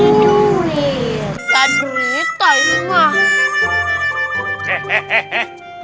gak derita ini mah